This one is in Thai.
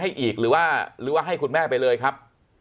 อีกหรือว่าหรือว่าให้คุณแม่ไปเลยครับ